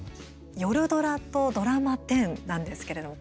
夜ドラとドラマ１０なんですけれども。